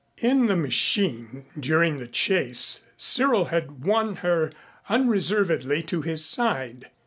In the machine, during the chase Cyril had won her unreservedly to his side.